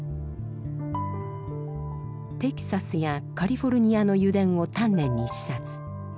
テキサスやカリフォルニアの油田を丹念に視察。